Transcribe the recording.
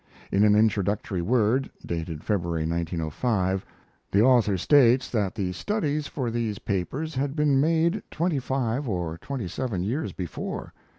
[In an introductory word (dated February, 1905) the author states that the studies for these papers had been made twenty five or twenty seven years before.